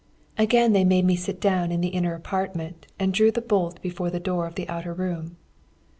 "Again they made me sit down in the inner apartment, and drew the bolt before the door of the outer room.